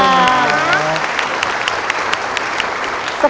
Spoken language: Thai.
ขอบคุณครับ